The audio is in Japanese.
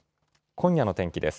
今夜の天気です。